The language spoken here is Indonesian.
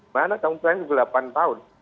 mana tahun saya ini delapan tahun